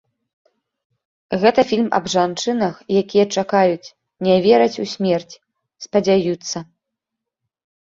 Гэта фільм аб жанчынах, якія чакаюць, не вераць у смерць, спадзяюцца.